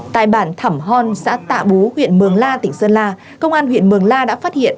tại bản thỏm hòn xã tạ bú huyện mường la tỉnh sơn la công an huyện mường la đã phát hiện